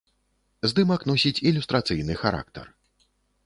Здымак носіць ілюстрацыйны характар.